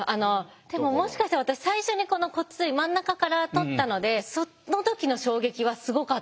でももしかして私最初にこの骨髄真ん中から取ったのでその時の衝撃はすごかったんですよ。